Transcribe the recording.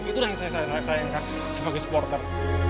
itulah yang saya sayangkan sebagai supporter